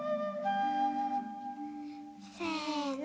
せの。